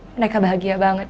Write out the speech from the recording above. mereka bahagia banget ya